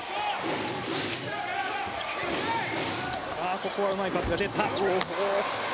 ここはうまいパスが出た。